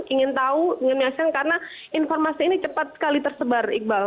ingin tahu ingin menyaksikan karena informasi ini cepat sekali tersebar iqbal